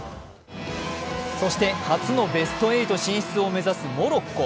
そして初のベスト８進出を目指すモロッコ。